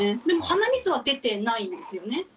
でも鼻水は出てないんですよね。